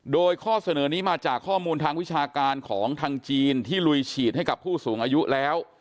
โดยข้อเสนอนี้มาจากข้อมูลทางวิชาการของทางจีนที่ลุยฉีดให้กับผู้สูงอายุแล้ว